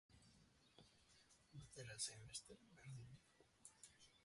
Batera zein bestera, berdin dio.